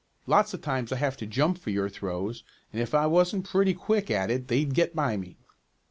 Lots of times I have to jump for your throws, and if I wasn't pretty quick at it they'd get by me."